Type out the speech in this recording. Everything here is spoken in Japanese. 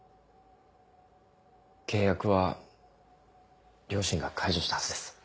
契約は両親が解除したはずです。